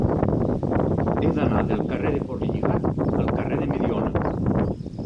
He d'anar del carrer de Portlligat al carrer de Mediona.